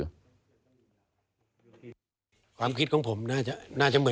จ่ายไปซื้อหวยประจำไง